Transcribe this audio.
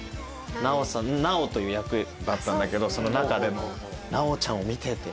奈緒さん「菜生」という役だったんだけどその中での菜生ちゃんを見てて。